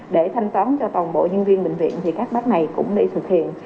để thanh toán cho toàn bộ nhân viên bệnh viện thì các bác này cũng đi thực hiện